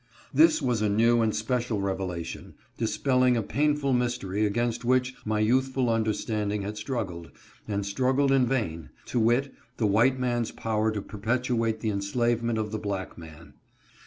This was a new and special revelation, dispelling a pain ful mystery against which my youthful understanding had struggled, and struggled in vain, to wit, the white man's power to perpetuate the enslavement of the black man.